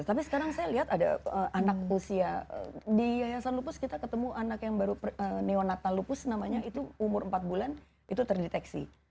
tapi sekarang saya lihat ada anak usia di yayasan lupus kita ketemu anak yang baru neonatal lupus namanya itu umur empat bulan itu terdeteksi